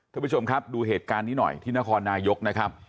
ท่านผู้ชมครับดูเหตุการณ์นี้หน่อยที่นครนายกนะครับ